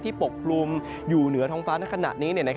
ปกคลุมอยู่เหนือท้องฟ้าในขณะนี้